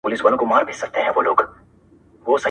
راته راکړۍ څه ډوډۍ مسلمانانو!!